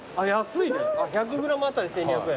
１００ｇ当たり１，２００円。